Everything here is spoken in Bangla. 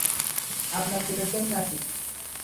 আপনার পেশেন্ট নাকি?